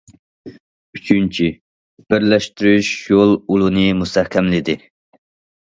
ئۈچىنچى،« بىرلەشتۈرۈش» يول ئۇلىنى مۇستەھكەملىدى.